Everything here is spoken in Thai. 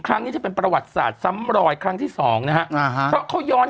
ครั้งนี้จะเป็นประวัติศาสตร์ซ้ำรอยครั้งที่สองนะฮะอ่าฮะเพราะเขาย้อน